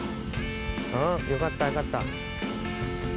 うんよかったよかった。